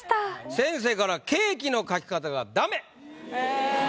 先生から「ケーキの描き方がダメ！」。